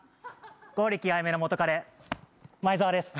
剛力彩芽の元カレ前澤です。